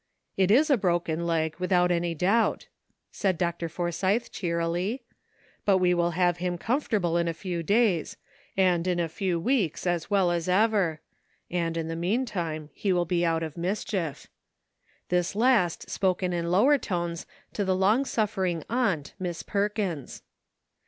" It is a broken leg, without any doubt," said Dr. Forsytbe cheerily, '' but we will have him com fortable in a few days, and in a few weeks as well as ever ; and in the meantime he will be out of mischief ;" this last spoken in lower tones to the long suffering aunt, Miss Perkins.